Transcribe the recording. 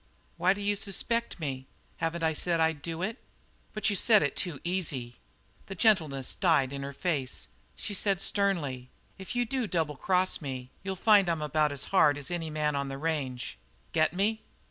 "Why d'you suspect me? Haven't I said I'd do it?" "But you said it too easy." The gentleness died in her face. She said sternly: "If you do double cross me, you'll find I'm about as hard as any man on the range. Get me?"